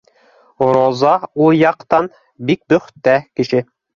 Роза ул яҡтан бик бөхтә кеше